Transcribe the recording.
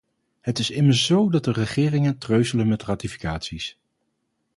Het is immers zo dat de regeringen treuzelen met ratificaties.